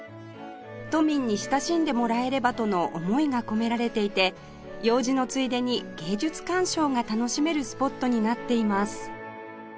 都民に親しんでもらえればとの思いが込められていて用事のついでに芸術鑑賞が楽しめるスポットになっています